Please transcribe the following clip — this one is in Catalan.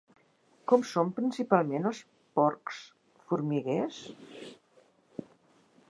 Com són principalment els porc formiguers?